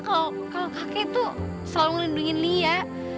kalo kakek tuh selalu melindungi lia